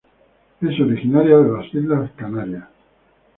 Es originaria de las islas Canarias.